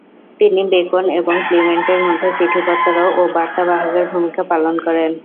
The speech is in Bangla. তিনি বেকন এবং ক্লিমেন্টের মধ্যে চিঠিপত্র ও বার্তাবাহকের ভূমিকা পালন করেন।